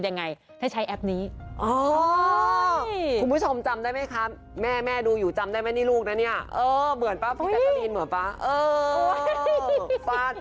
่าิหลูนดูหน่อยสิ